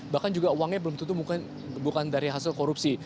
bahkan juga uangnya belum tentu bukan dari hasil korupsi